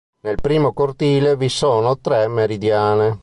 Nel primo cortile vi sono tre meridiane.